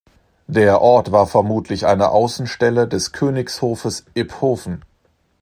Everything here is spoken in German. Der Ort war vermutlich eine Außenstelle des Königshofes Iphofen.